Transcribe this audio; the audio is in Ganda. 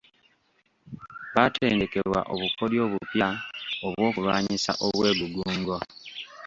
Baatendekebwa obukodyo obupya obw'okulwanyisa obwegugungo